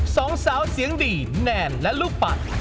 สองสาวเสียงดีแนนและลูกปัด